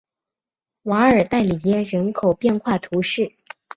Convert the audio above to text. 瓦尔代里耶人口变化图示